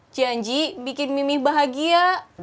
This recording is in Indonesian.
janji bikin mimi bahagia